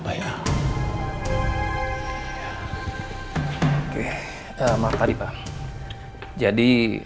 saya sudah bertermunyai